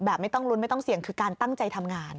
ไม่ต้องลุ้นไม่ต้องเสี่ยงคือการตั้งใจทำงาน